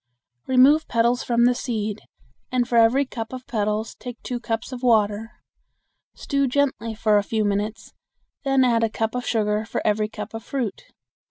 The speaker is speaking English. Remove petals from the seed, and for every cup of petals take two cups of water. Stew gently for a few minutes, then add a cup of sugar for every cup of fruit.